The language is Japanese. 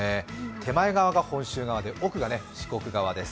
手前側が本州側で、奥が四国側です